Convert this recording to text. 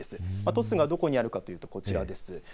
鳥栖がどこにあるかというのはこちらです。